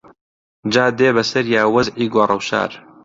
جا دێ بەسەریا وەزعی گۆڕەوشار